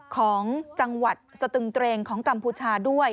ของจังหวัดสตึงเกรงของกัมพูชาด้วย